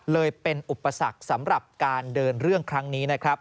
เลยเป็นอุปสรรคสำหรับการเดินเรื่องครั้งนี้นะครับ